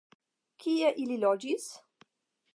Kie ili loĝis?